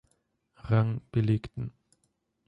Rang belegten.